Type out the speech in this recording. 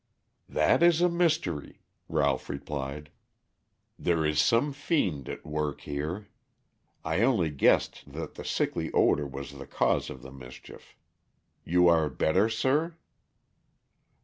"That is a mystery," Ralph replied. "There is some fiend at work here. I only guessed that the sickly odor was the cause of the mischief. You are better, sir?"